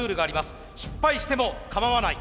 「失敗しても構わない」。